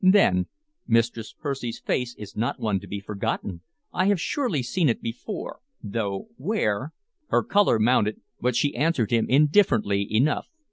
Then: "Mistress Percy's face is not one to be forgotten. I have surely seen it before, though where" Her color mounted, but she answered him indifferently enough.